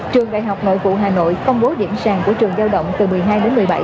trường đại học nội vụ hà nội công bố điểm sàn của trường giao động từ một mươi hai đến một mươi bảy